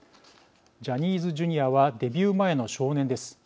ジャニーズＪｒ．はデビュー前の少年です。